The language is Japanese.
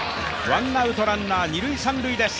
ワンアウトランナー、二塁三塁です。